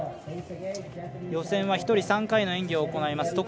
予選は１人３回の演技を行います。